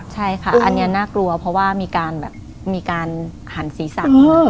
ใช่ค่ะอันนี้น่ากลัวเพราะว่ามีการแบบมีการหันศีรษะ